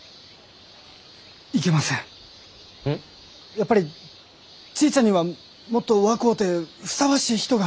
やっぱりちぃちゃんにはもっと若うてふさわしい人が！